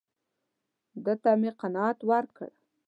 ده ته مې قناعت ورکړ.